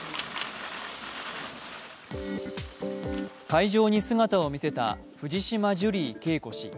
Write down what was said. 会場に姿を見せた藤島ジュリー景子氏